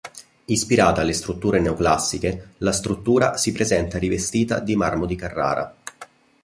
Ispirata alle strutture neoclassiche, la struttura si presenta rivestita di marmo di Carrara.